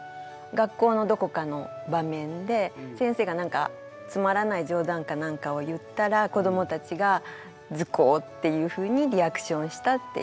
学校のどこかの場面で先生が何かつまらない冗談か何かを言ったら子どもたちが「ズコー」っていうふうにリアクションしたっていう。